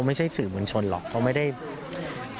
ไม่ใช่สื่อวนชนหรอก